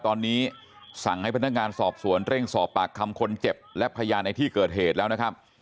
ตอนนี้สั่งให้พนักงานสอบสวนเร่งสอบปากคำคนเจ็บและพยานในที่เกิดเหตุแล้วนะครับ